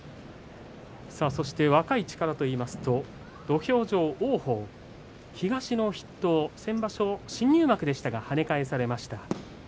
若い力といいますと土俵上王鵬東の筆頭先場所、新入幕でしたがはね返されました。